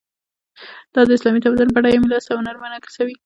دا د اسلامي تمدن بډایه میراث او هنر منعکسوي.